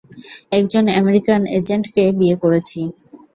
একজন আমেরিকান এজেন্টকে বিয়ে করেছি।